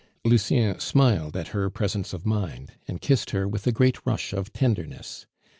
Lucien smiled at her presence of mind, and kissed her with a great rush of tenderness.